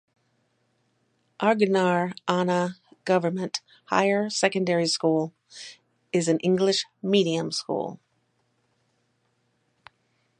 Arignar Anna Government Higher Secondary School is an English medium school.